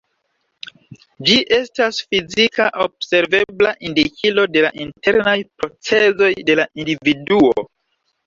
Ĝi estas fizika observebla indikilo de la internaj procezoj de la individuo.